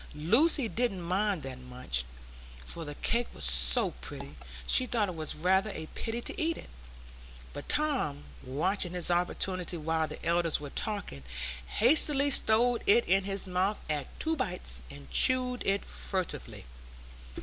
Lucy didn't mind that much, for the cake was so pretty, she thought it was rather a pity to eat it; but Tom, watching his opportunity while the elders were talking, hastily stowed it in his mouth at two bites, and chewed it furtively.